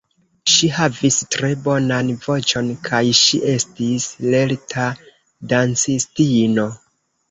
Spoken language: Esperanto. Ŝi havis tre bonan voĉon kaj ŝi estis lerta dancistino.